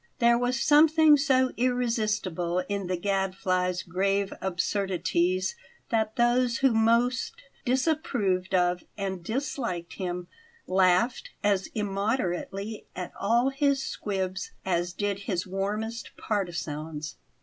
There was something so irresistible in the Gadfly's grave absurdities that those who most disapproved of and disliked him laughed as immoderately at all his squibs as did his warmest partisans.